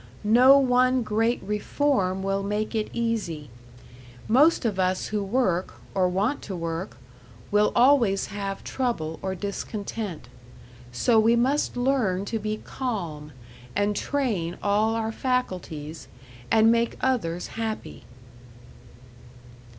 "No one great reform will make it easy. Most of us who work or want to work will always have trouble or discontent. So we must learn to be calm, and train all our faculties, and make others happy."